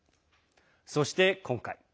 そして、今回。